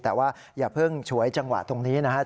แต่ว่าอย่าเพิ่งฉวยจังหวะตรงนี้นะครับ